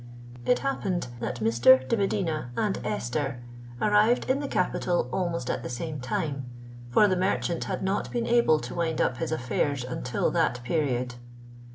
It happened that Mr. de Medina and Esther arrived in the capital almost at the same time; for the merchant had not been able to wind up his affairs until that period.